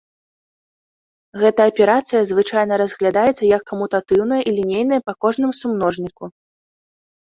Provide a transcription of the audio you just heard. Гэта аперацыя звычайна разглядаецца як камутатыўная і лінейная па кожным сумножніку.